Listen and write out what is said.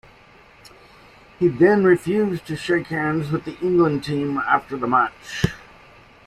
He then refused to shake hands with the England team after the match.